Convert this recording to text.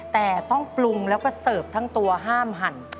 แต่ต้องปรุงแล้วก็เสิร์ฟทั้งตัวห้ามหั่น